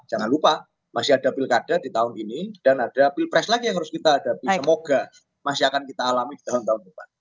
jangan lupa masih ada pilkada di tahun ini dan ada pilpres lagi yang harus kita hadapi semoga masih akan kita alami di tahun tahun depan